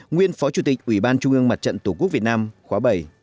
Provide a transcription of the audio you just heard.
nguyên phó chủ tịch ủy ban trung ương mặt trận tổ quốc việt nam khóa bảy